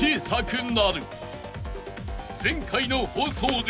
［前回の放送で］